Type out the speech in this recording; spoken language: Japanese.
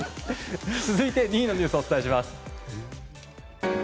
続いて、２位のニュースをお伝えします。